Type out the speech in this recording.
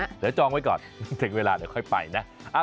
เดี๋ยวจองไว้ก่อนถึงเวลาเดี๋ยวค่อยไปนะ